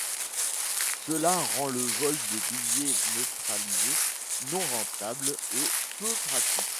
Cela rend le vol de billets neutralisés non rentable et peu pratique.